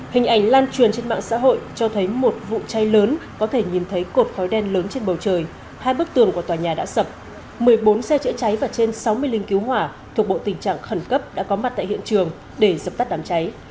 hình ảnh lan truyền trên mạng xã hội cho thấy một vụ cháy lớn có thể nhìn thấy cột khói đen lớn trên bầu trời hai bức tường của tòa nhà đã sập một mươi bốn xe chữa cháy và trên sáu mươi linh cứu hỏa thuộc bộ tình trạng khẩn cấp đã có mặt tại hiện trường để dập tắt đám cháy